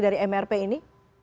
dari mrp ini